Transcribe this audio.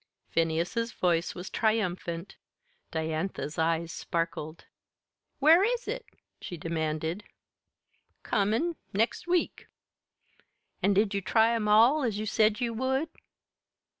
Phineas's voice was triumphant. Diantha's eyes sparkled. "Where is it?" she demanded. "Comin' next week." "An' did you try 'em all, as you said you would?"